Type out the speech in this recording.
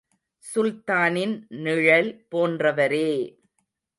சுல்தானின் நிழல் போன்றவரே!